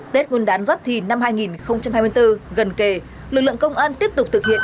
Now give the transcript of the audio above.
tết nguyên đán giáp thìn năm hai nghìn hai mươi bốn gần kề lực lượng công an tiếp tục thực hiện